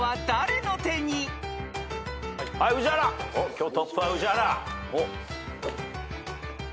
今日トップは宇治原！